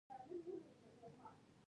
ځنګلونه د حیواناتو کور دی